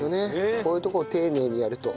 こういうとこを丁寧にやると。